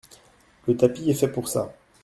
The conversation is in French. Le tapis est fait pour ça.